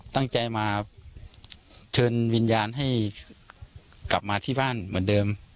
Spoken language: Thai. ตั้งใจมาเชิญวิญญาณให้กลับมาที่บ้านเหมือนเดิม